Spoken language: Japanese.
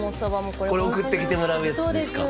これ送ってきてもらうやつですかそうです